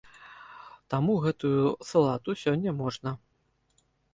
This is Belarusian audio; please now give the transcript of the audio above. Таму гэтую салату сёння можна.